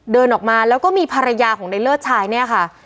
เดินออกมาแล้วก็มีภรรยาของในเลิศชายเนี่ยค่ะ